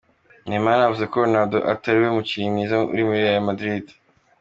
Neymar yavuze ko Ronaldo atari we mukinnyi mwiza uri muri Real Madrid.